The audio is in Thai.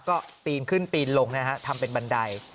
ก็ปีนขึ้นปีนลงนะฮะทำเป็นบันได